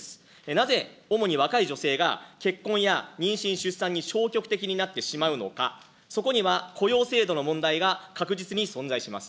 なぜ主に若い女性が結婚や妊娠・出産に消極的になってしまうのか、そこには雇用制度の問題が確実に存在します。